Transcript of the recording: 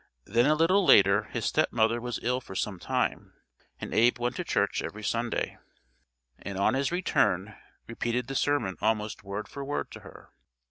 Then a little later his stepmother was ill for some time, and Abe went to church every Sunday, and on his return repeated the sermon almost word for word to her.